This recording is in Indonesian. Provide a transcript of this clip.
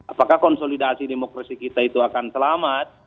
apakah konsolidasi demokrasi kita itu akan selamat